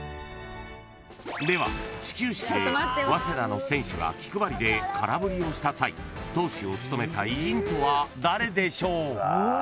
［では始球式で早稲田の選手が気配りで空振りをした際投手を務めた偉人とは誰でしょう？］